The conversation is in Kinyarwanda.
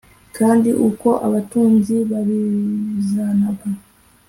Kandi uko abatunzi babizanaga